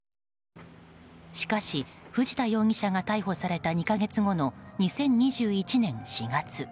しかし、藤田容疑者が逮捕された２か月後の２０２１年４月。